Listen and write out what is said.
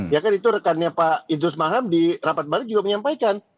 ya kan itu rekannya pak idrus marham di rapat balik juga menyampaikan